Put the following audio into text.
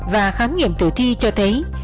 và khám nghiệm tử thi cho thấy